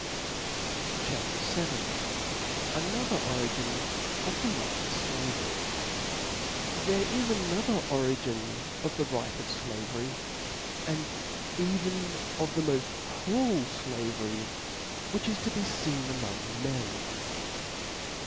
CHAP. VII. Another Origin of the Right of Slavery. HERE is another origin of the right of flavery, and even of the moft cruel flavery, which is to be feen among men.